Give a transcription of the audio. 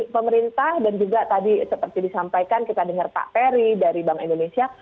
pemerintah dan juga tadi seperti disampaikan kita dengar pak perry dari bank indonesia